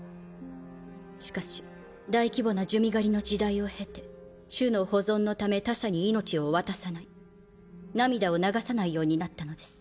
しかし大規模な珠魅狩りの時代を経て種の保存のため他者に命を渡さない涙を流さないようになったのです。